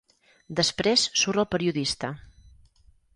Després surt el periodista.